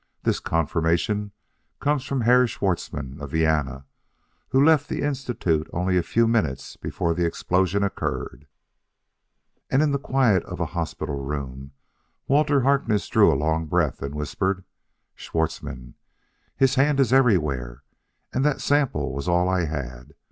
This confirmation comes from Herr Schwartzmann of Vienna who left the Institute only a few minutes before the explosion occurred " And, in the quiet of a hospital room, Walter Harkness drew a long breath and whispered; "Schwartzmann! His hand is everywhere.... And that sample was all I had....